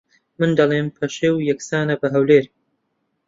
من دەڵێم پەشێو یەکسانە بە ھەولێر